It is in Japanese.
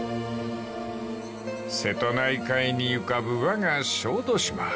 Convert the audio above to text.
［瀬戸内海に浮かぶわが小豆島］